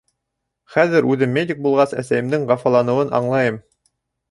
Хәҙер үҙем медик булғас әсәйемдең хафаланыуын аңлайым.